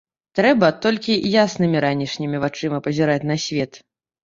Трэба толькі яснымі ранішнімі вачыма пазіраць на свет.